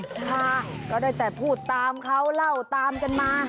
ใช่ก็ได้แต่พูดตามเขาเล่าตามกันมา